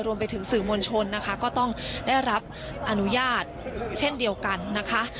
รวมไปถึงสื่อมวลชนนะคะก็ต้องได้รับอนุญาตเช่นเดียวกันนะคะ